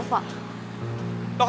gimana ada yang luka gak